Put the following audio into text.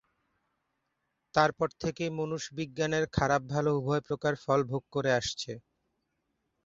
তারপর থেকেই মনুষ বিজ্ঞানের খারাপ-ভালো উভয়প্রকার ফল ভোগ করে আসছে।